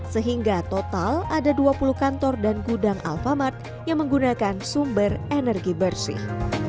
sehingga total ada dua puluh kantor dan gudang alfamart yang menggunakan sumber energi bersih